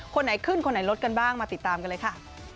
คนไหนขึ้นคนไหนลดกันบ้างมาติดตามกันเลยค่ะ